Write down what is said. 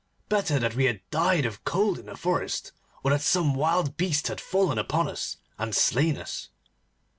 Better that we had died of cold in the forest, or that some wild beast had fallen upon us and slain us.